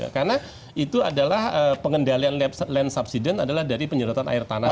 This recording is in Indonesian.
karena itu adalah pengendalian land subsiden adalah dari penyerotan air tanah